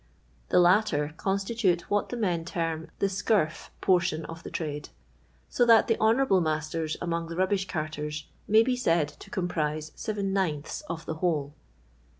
The latter constitute what the men term the scurf portion of the trade; so that the honourable masters among the rubbish carters may bo said to comprise seven ninths of the whole.